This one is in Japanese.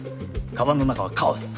かばんの中はカオス！